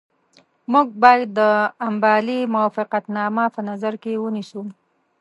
موږ باید د امبالې موافقتنامه په نظر کې ونیسو.